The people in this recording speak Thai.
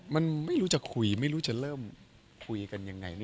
มันไม่รู้จะคุยไม่รู้จะเริ่มคุยกันยังไง